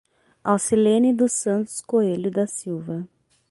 Aucilene dos Santos Coelho da Silva